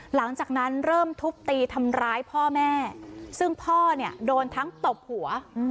หลังจากนั้นเริ่มทุบตีทำร้ายพ่อแม่ซึ่งพ่อเนี่ยโดนทั้งตบหัว